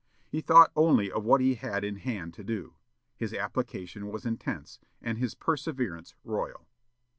He thought only of what he had in hand to do. His application was intense, and his perseverance royal."